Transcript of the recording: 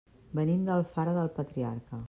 Venim d'Alfara del Patriarca.